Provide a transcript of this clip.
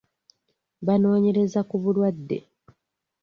Banoonyereza ku bulwadde.